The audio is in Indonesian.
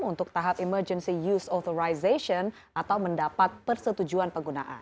untuk tahap emergency use authorization atau mendapat persetujuan penggunaan